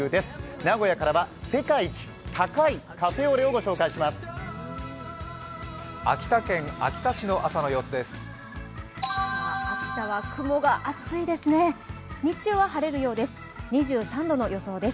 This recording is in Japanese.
名古屋からは世界一高いカフェオレをご紹介します。